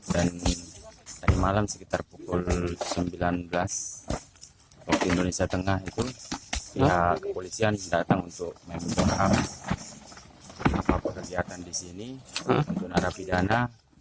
dan tadi malam sekitar pukul sembilan belas waktu indonesia tengah itu kepolisian datang untuk mengembangkan apa kegiatan di sini untuk narapidana